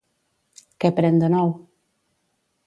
Què pren de nou?